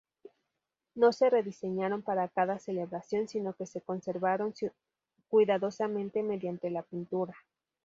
No se rediseñaron para cada celebración, sino que se conservaron cuidadosamente mediante la pintura.